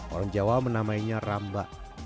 orang jawa menamainya rambak